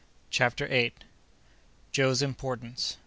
CHAPTER EIGHTH. Joe's Importance.